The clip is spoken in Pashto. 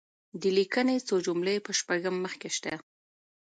د لیکني څو جملې په شپږم مخ کې شته.